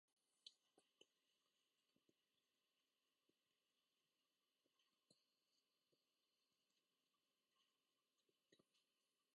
社会・経済のグローバル化、ボーダレス化が加速する中で、神奈川においても、羽田空港の国際化などにより、国際社会との結びつきがますます強まっています。